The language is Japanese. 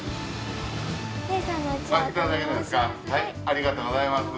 ありがとうございます。